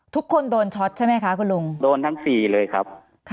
ทุกคนโดนช็อตใช่ไหมคะคุณลุงโดนทั้ง๔เลยครับ